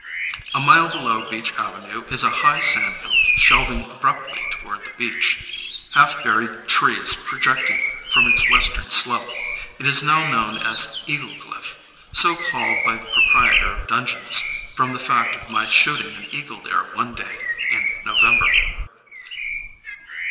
A mile below Beach Avenue is a high sandhill shelving abruptly toward the beach, half buried trees projecting from its western slope: it is now known as "Eagle Cliff," so called by the proprietor of Dungeness from the fact of my shooting an eagle there one day in November.